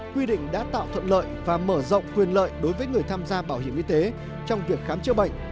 quy định đã tạo thuận lợi và mở rộng quyền lợi đối với người tham gia bảo hiểm y tế trong việc khám chữa bệnh